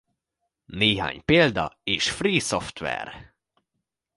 Néhány példa és free-software!